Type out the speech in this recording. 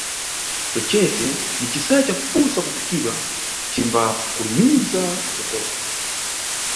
Kwecete ni cisayi cakuposa kuphikidwa, cimbakulimiza kutokota.